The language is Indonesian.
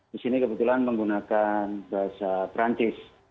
di sini kebetulan menggunakan bahasa perancis